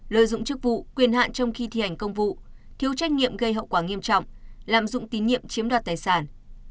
lợi dụng chức vụ quyền hạn trong khi thi hành công vụ thiếu trách nhiệm gây hậu quả nghiêm trọng lạm dụng tín nhiệm chiếm đoạt tài sản